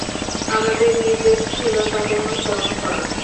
আমাদের নির্দেশ ছিল তাকে অনুসরণ করা।